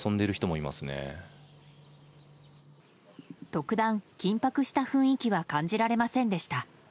特段、緊迫した雰囲気は感じられませんでした。